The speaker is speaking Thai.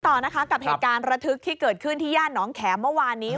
ต่อนะคะกับเหตุการณ์ระทึกที่เกิดขึ้นที่ย่านน้องแขมเมื่อวานนี้